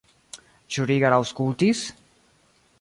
Ĉu Rigar aŭskultis?